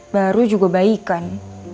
baru juga baik kan